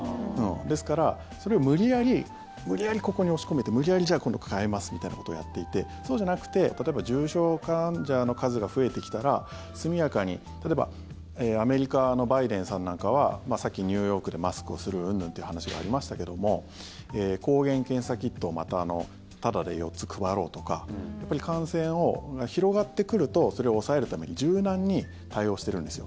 ですから、それを無理やり無理やりここに押し込めて無理やり、じゃあ今度変えますみたいなことをやっていてそうじゃなくて、例えば重症患者の数が増えてきたら速やかに例えばアメリカのバイデンさんなんかはさっきニューヨークでマスクをするうんぬんって話がありましたけども抗原検査キットをまたタダで４つ配ろうとか感染を、広がってくるとそれを抑えるために柔軟に対応してるんですよ。